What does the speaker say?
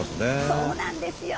そうなんですよ！